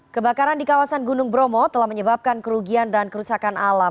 kebakaran di kawasan gunung bromo telah menyebabkan kerugian dan kerusakan alam